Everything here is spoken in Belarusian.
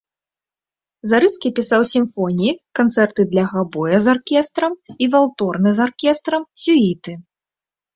Зарыцкі пісаў сімфоніі, канцэрты для габоя з аркестрам і валторны з аркестрам, сюіты.